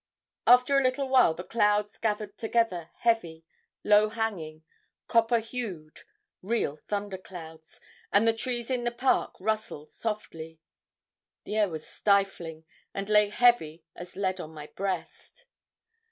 After a little while the clouds gathered together, heavy, low hanging, copper hued, real thunder clouds, and the trees in the park rustled softly. The air was stifling, and lay heavy as lead on my breast.